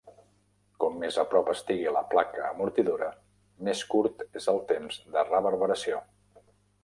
Com més a prop estigui la placa amortidora, més curt és el temps de reverberació.